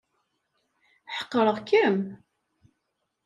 Ḥeqreɣ-kem.